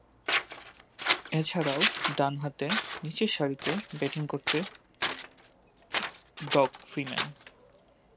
এছাড়াও, ডানহাতে নিচেরসারিতে ব্যাটিং করতেন ডগ ফ্রিম্যান।